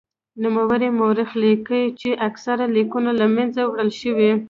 نوموړی مورخ لیکي چې اکثر لیکونه له منځه وړل شوي.